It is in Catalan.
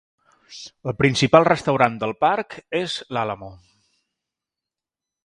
El principal restaurant del parc és l'Alamo.